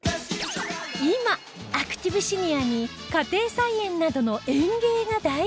今アクティブシニアに家庭菜園などの園芸が大ブーム